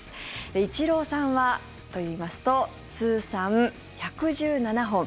イチローさんはといいますと通算１１７本。